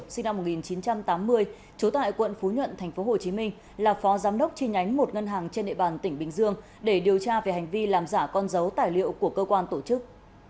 sinh năm một nghìn chín trăm tám mươi trú tại quận phú nhuận tp hcm là phó giám đốc chi nhánh một ngân hàng trên địa bàn tỉnh bình dương để điều tra về hành vi làm giả con dấu tài liệu của cơ quan tổ chức